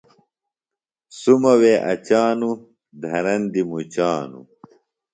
سُمہ وے اچانوۡ، دھرندیۡ مُچانوۡ